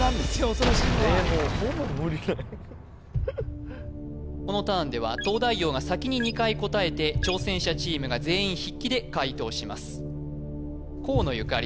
恐ろしいのはもうほぼムリゲーこのターンでは東大王が先に２回答えて挑戦者チームが全員筆記で解答します河野ゆかり